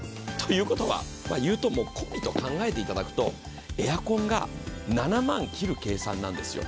言うと、もう込みと考えていただくと、エアコンが７万切る計算なんですよ。